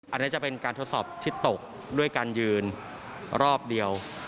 อันนี้จะเป็นการทดสอบที่ตกด้วยการยืนรอบเดียว